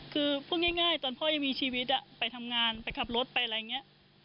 คือพูดง่ายตอนพ่อยังมีชีวิตไปทำงานไปขับรถไปอะไรอย่างนี้